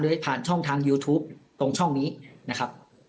ผ่านช่องทางยูทูปตรงช่องนี้นะครับ